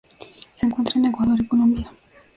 Se encuentra en Ecuador y Colombia.